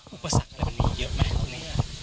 อุปสรรคมันมีเยอะไหม